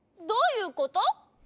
どういうこと？